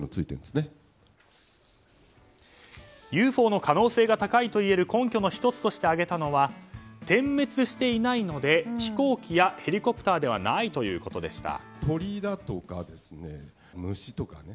ＵＦＯの可能性が高いといえる根拠の１つとして挙げたのが点滅していないので飛行機やヘリコプターではないということでした。